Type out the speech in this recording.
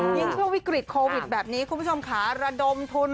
ยิ่งช่วงวิกฤตโควิดแบบนี้คุณผู้ชมขาระดมทุน